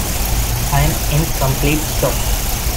I'm in complete shock.